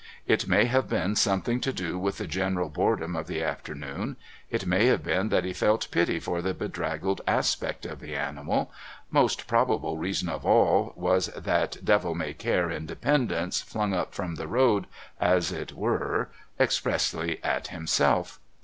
It may have been something to do with the general boredom of the afternoon, it may have been that he felt pity for the bedraggled aspect of the animal most probable reason of all, was that devil may care independence flung up from the road, as it were, expressly at himself.